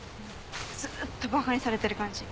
ずーっとバカにされてる感じ。